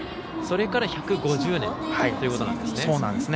それから１５０年ということなんですね。